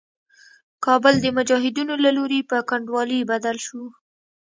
کابل د مجاهدينو له لوري په کنډوالي بدل شو.